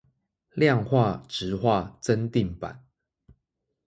量化質化增訂版